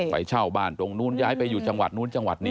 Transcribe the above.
ไปเช่าบ้านตรงนู้นย้ายไปอยู่จังหวัดนู้นจังหวัดนี้